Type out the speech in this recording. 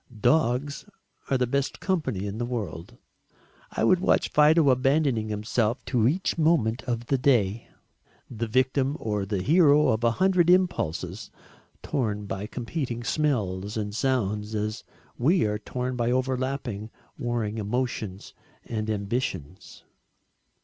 Dogs are the best company in the world I would watch Fido abandoning himself to each moment of the day, the victim or the hero of a hundred impulses, torn by competing smells and sounds as we are torn by overlapping warring emotions and ambitions.